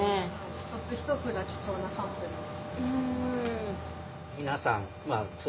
一つ一つが貴重なサンプルですね。